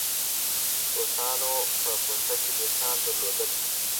روسانو په پوسته کې دوستان درلودل.